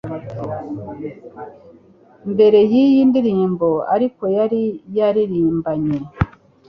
Mbere y'iyi ndirimbo ariko yari yaririmbanye